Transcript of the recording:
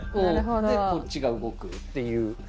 でこっちが動くっていう。